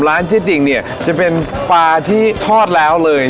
ร้านที่จริงเนี่ยจะเป็นปลาที่ทอดแล้วเลย